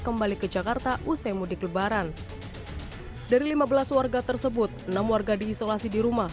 kembali ke jakarta usai mudik lebaran dari lima belas warga tersebut enam warga diisolasi di rumah